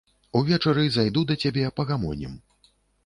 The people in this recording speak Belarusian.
Увечары зайду да цябе, пагамонім.